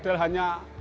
dari segi teknologi